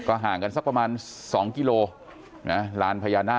ก็ห่างกันสักประมาณสองกิโลนะฮะ